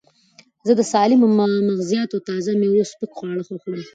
زه د سالمو مغزیاتو او تازه مېوو سپک خواړه خوښوم.